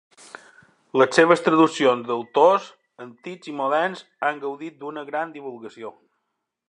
Les seves traduccions d’autors antics i moderns han gaudit d’una gran divulgació.